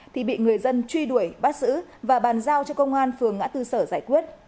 thì bị người dân truy đuổi bắt xử và bàn giao cho công an phường ngã tư sở giải quyết